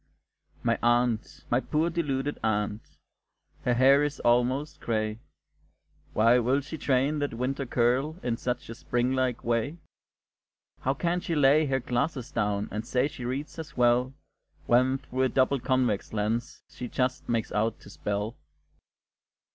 My aunt, my poor deluded aunt! Her hair is almost gray; Why will she train that winter curl In such a spring like way? How can she lay her glasses down, And say she reads as well, When, through a double convex lens, She just makes out to spell?